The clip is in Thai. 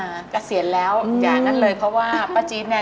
ค่ะก็กเกษียณด้วยรองสรรศาจารย์